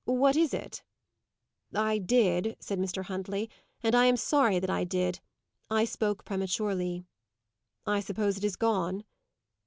What is it?" "I did," said Mr. Huntley; "and I am sorry that I did. I spoke prematurely." "I suppose it is gone?"